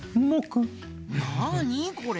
なあにこれ？